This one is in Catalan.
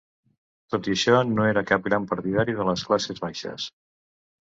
Tot i això, no era cap gran partidari de les classes baixes.